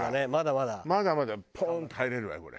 まだまだポーンって入れるわよこれ。